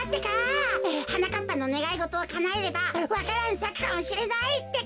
はなかっぱのねがいごとをかなえればわか蘭さくかもしれないってか。